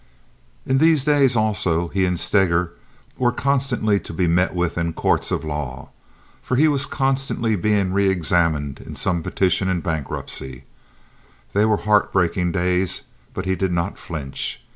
In these days also, he and Steger were constantly to be met with in courts of law, for he was constantly being reexamined in some petition in bankruptcy. They were heartbreaking days, but he did not flinch.